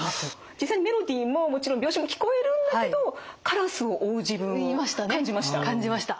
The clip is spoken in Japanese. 実際にメロディーももちろん秒針も聞こえるんだけどカラスを追う自分感じました。